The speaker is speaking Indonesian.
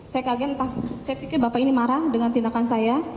saya kaget saya pikir bapak ini marah dengan tindakan saya